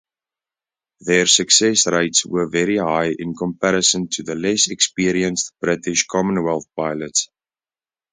Their success rates were very high in comparison to the less-experienced British Commonwealth pilots.